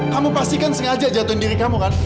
kamu pastikan sengaja jatuhin diri kamu kan